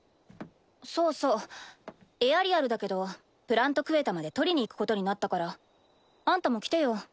そうそうエアリアルだけどプラント・クエタまで取りに行くことになったからあんたも来てよ。